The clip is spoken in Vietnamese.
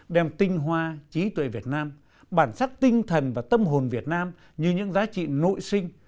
đem tinh hoa trí tuệ việt nam bản sắc tinh thần và tâm hồn việt nam như những giá trị nội sinh